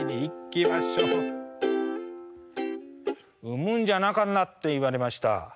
「生むんじゃなかんな」って言われました。